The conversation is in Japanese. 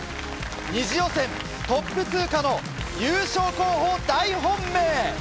２次予選トップ通過の優勝候補大本命！